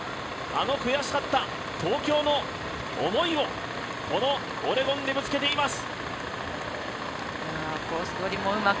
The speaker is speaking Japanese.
あの悔しかった東京の思いをこのオレゴンにぶつけています。